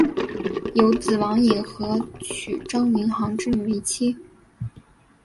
有子王尹和娶张云航之女为妻。